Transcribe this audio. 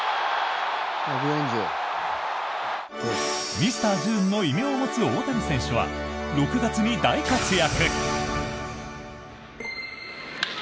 ミスター・ジューンの異名を持つ大谷選手は６月に大活躍。